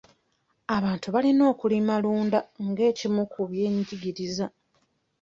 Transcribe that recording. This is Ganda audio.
Abantu balina okulimalunda ng'ekimu ku by'enyingiza.